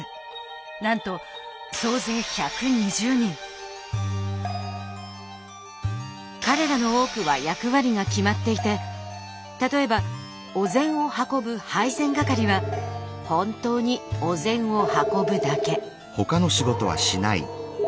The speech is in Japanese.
なんと彼らの多くは役割が決まっていて例えばお膳を運ぶ配膳係は本当にお膳を運ぶだけ。